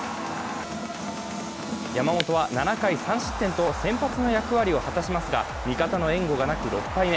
山本は７回３失点と先発の役割を果たしますが、味方の援護がなく、６敗目。